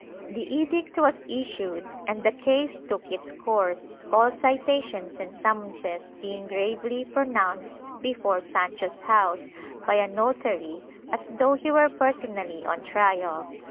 The edict was issued and the case took its course, all citations and summonses being gravely pro nounced before Sancho's house by a notary as though he were personally on trial.